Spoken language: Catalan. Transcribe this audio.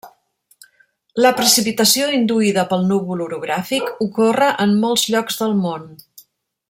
La precipitació induïda pel núvol orogràfic ocorre en molts llocs del món.